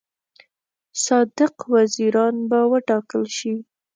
صادق وزیران به وټاکل شي.